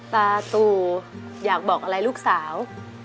ตาตู่อยากบอกอะไรลูกสาว